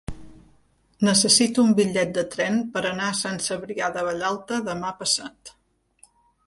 Necessito un bitllet de tren per anar a Sant Cebrià de Vallalta demà passat.